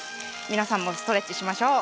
皆さんもストレッチしましょう。